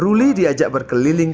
ruli diajak berkeliling